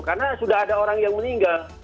karena sudah ada orang yang meninggal